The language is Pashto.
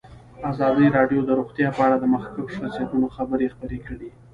ازادي راډیو د روغتیا په اړه د مخکښو شخصیتونو خبرې خپرې کړي.